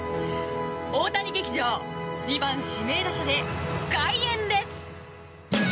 大谷劇場２番指名打者で開演です。